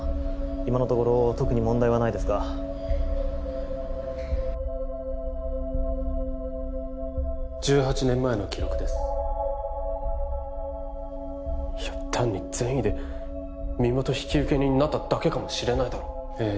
今のところ特に問題はないですが１８年前の記録ですいや単に善意で身元引受人になっただけかもしれないだろええ